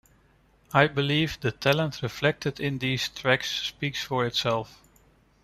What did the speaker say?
I believe the talent reflected in these tracks speaks for itself.